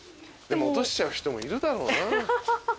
でも落としちゃう人もいるだろうな。